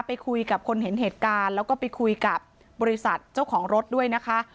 ไปคุยกับคนเห็นเหตุการณ์แล้วก็ไปคุยกับบริษัทเจ้าของรถด้วยนะคะ